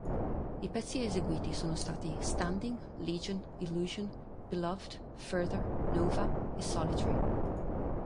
I pezzi eseguiti sono stati: "Standing", "Legion", "Illusion", "Beloved", "Further", "Nova" e "Solitary".